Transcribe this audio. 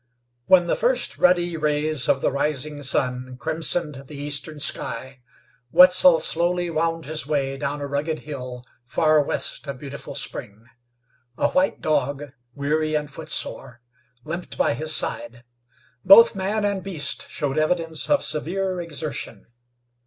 When the first ruddy rays of the rising sun crimsoned the eastern sky, Wetzel slowly wound his way down a rugged hill far west of Beautiful Spring. A white dog, weary and footsore, limped by his side. Both man and beast showed evidence of severe exertion.